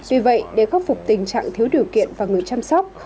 vì vậy để khắc phục tình trạng thiếu điều kiện và người chăm sóc